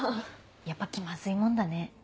やっぱ気まずいもんだね。